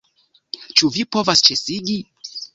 Ĉu vi povas ĉesigi?